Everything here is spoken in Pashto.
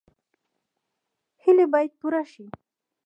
هیلې باید پوره شي